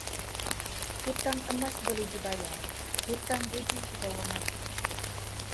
Hutang emas boleh dibayar, hutang budi dibawa mati.